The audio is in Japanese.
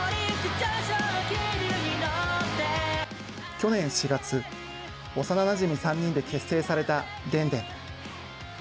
去年４月、幼なじみ３人で結成された田田。